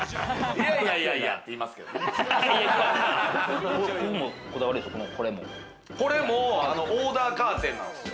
いやいや！って言いますけれどこれもオーダーカーテンなんですよ。